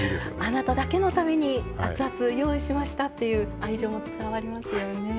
あなただけのためにアツアツ用意しましたっていう愛情も伝わりますよね。